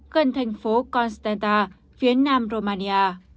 gần thành phố constanta phía nam romania